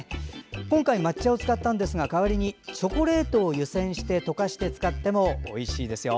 今回抹茶を使ったんですがチョコレートを湯煎して溶かして使ってもおいしいですよ。